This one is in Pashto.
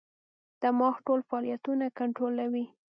دماغ ټول فعالیتونه کنټرولوي.